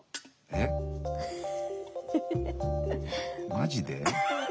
マジで？